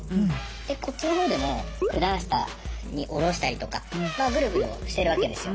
でこっちの方でも九段下に降ろしたりとかまあぐるぐるしてるわけですよ。